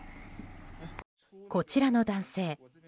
こちらの男性